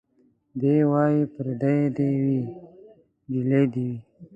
دی وايي پرېدۍ دي وي نجلۍ دي وي